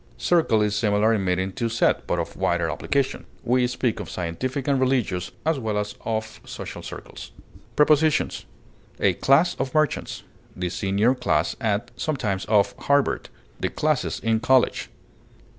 Circle is similar in meaning to set, but of wider application; we speak of scientific and religious as well as of social circles. Prepositions: A class of merchants; the senior class at (sometimes of) Harvard; the classes in college.